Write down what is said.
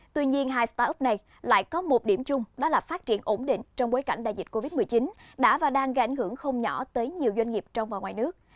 tuy nhiên hai start up này lại có một điểm chung đó là phát triển ổn định trong bối cảnh đại dịch covid một mươi chín đã và đang gây ảnh hưởng không nhỏ tới nhiều doanh nghiệp trong và ngoài nước